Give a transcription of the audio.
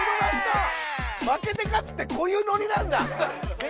負けて勝つってこういうノリなんだ。